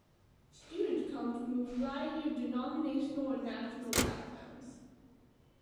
Students come from a variety of denominational and national backgrounds.